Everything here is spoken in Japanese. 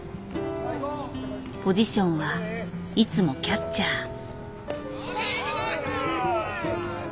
ポジションはいつもキャッチャー。